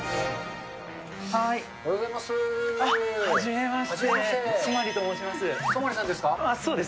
おはようございます。